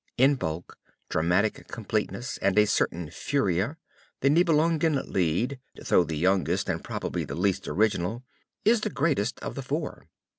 In bulk, dramatic completeness, and a certain furia, the Nibelungen Lied, though the youngest and probably the least original is the greatest of the four."